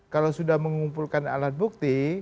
kalau sudah mengumpulkan alat bukti